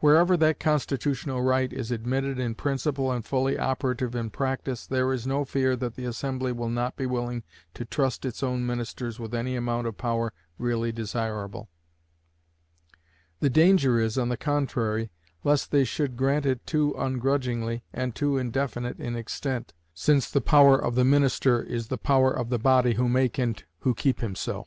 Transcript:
Wherever that constitutional right is admitted in principle and fully operative in practice, there is no fear that the assembly will not be willing to trust its own ministers with any amount of power really desirable; the danger is, on the contrary, lest they should grant it too ungrudgingly, and too indefinite in extent, since the power of the minister is the power of the body who make and who keep him so.